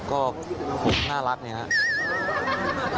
ก็ผมน่ารักเนี่ยครับ